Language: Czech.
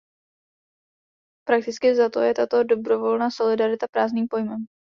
Prakticky vzato je tato dobrovolná solidarita prázdným pojmem.